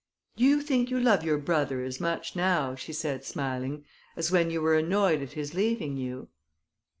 "Do you think you love your brother as much now," she said, smiling, "as when you were annoyed at his leaving you?"